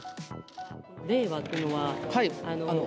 令和というのは？